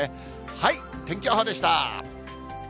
はい、天気予報でした。